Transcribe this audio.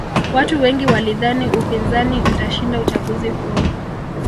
watu wengi walidhani upinzani utashinda uchaguzi huo